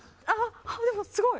でも、すごい。